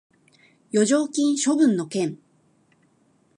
剰余金処分の件